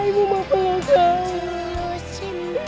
ibu tolong lepaskan anak ini